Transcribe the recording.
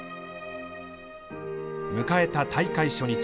迎えた大会初日。